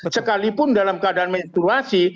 sekalipun dalam keadaan menstruasi